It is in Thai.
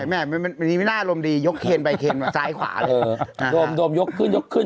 มันมีหน้ารมดียกเครนไปเครนซ้ายขวาเลยโดมยกขึ้นยกขึ้น